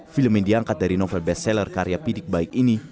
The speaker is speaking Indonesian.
film yang diangkat dari novel best seller karya pidik baik ini